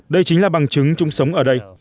đây chính là bằng chứng chúng sống ở đây